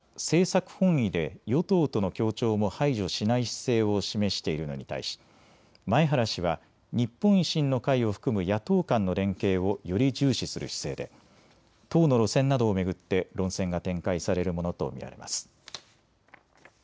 玉木氏は政策本位で与党との協調も排除しない姿勢を示しているのに対し前原氏は日本維新の会を含む野党間の連携をより重視する姿勢で党の路線などを巡って論戦が展開されるものと見られます。